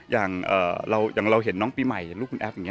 อย่างเราเห็นน้องปีใหม่อย่างลูกคุณแอฟอย่างนี้